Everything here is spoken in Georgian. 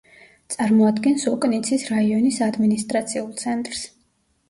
წარმოადგენს ოკნიცის რაიონის ადმინისტრაციულ ცენტრს.